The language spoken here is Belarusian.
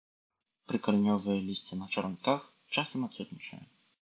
Прыкаранёвае лісце на чаранках, часам адсутнічае.